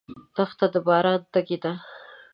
دښته د باران تږې ده.